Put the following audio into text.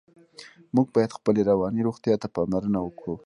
موږ باید خپلې رواني روغتیا ته پاملرنه وکړو.